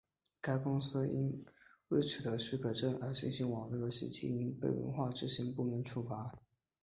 该公司曾因未取得许可证而进行网络游戏经营被文化执法部门处罚。